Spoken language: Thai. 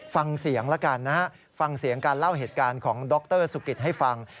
ฟังเสียงแล้วกันนะฮะฟังเสียงการเล่าเหตุการณ์ของดรสุกิตให้ฟัง